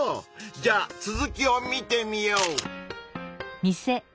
じゃあ続きを見てみよう！